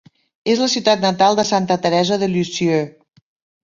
És la ciutat natal de Santa Teresa de Lisieux.